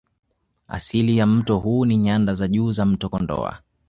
Asili ya mto huu ni Nyanda za Juu za mto Kondoa